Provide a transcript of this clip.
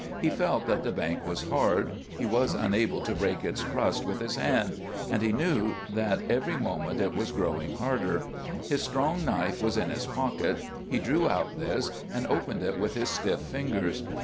He felt that the bank was hard; he was unable to break its crust with his hand; and he knew that every moment it was growing harder. His strong knife was in his pocket. He drew out this and opened it with his stiff fingers.